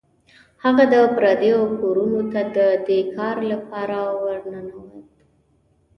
هغه د پردیو کورونو ته د دې کار لپاره ورنوت.